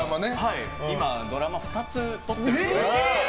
今ドラマ２つ撮ってて。